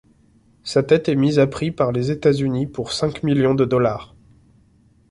Sa tête est mise à prix par les États-Unis pour cinq millions de dollars.